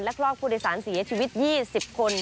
และรอบผู้โดยสารสีให้ชีวิต๒๐คน